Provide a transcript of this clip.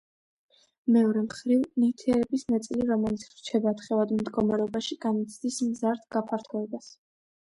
მეორე მხრივ, ნივთიერების ნაწილი, რომელიც რჩება თხევად მდგომარეობაში განიცდის მზარდ გაფართოებას.